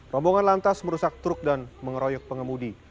rombongan lantas merusak truk dan mengeroyok pengemudi